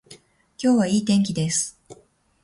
今日はいい天気です。